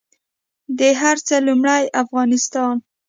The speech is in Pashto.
د هر څه لومړۍ افغانستان